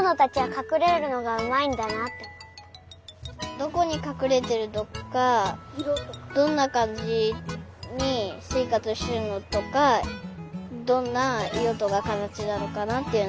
どこにかくれてるとかどんなかんじにせいかつしてるのとかどんないろとかかたちなのかなっていうのがよくわかりました。